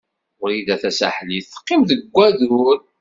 Wrida Tasaḥlit teqqim deg wadur.